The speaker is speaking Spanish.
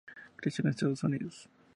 Creció en Estados Unidos.